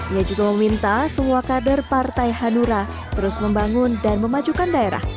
ia juga meminta semua kader partai hanura terus membangun dan memajukan daerah